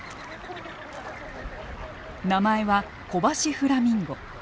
名前はコバシフラミンゴ。